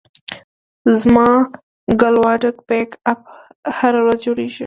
زما کلاوډ بیک اپ هره ورځ جوړېږي.